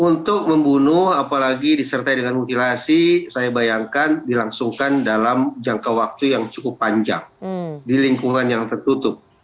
untuk membunuh apalagi disertai dengan mutilasi saya bayangkan dilangsungkan dalam jangka waktu yang cukup panjang di lingkungan yang tertutup